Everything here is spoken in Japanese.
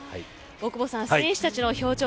大久保さん、選手たちの表情